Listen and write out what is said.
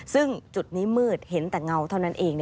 ซึ่งจุดนี้มืดเห็นแต่เงาเท่านั้นเอง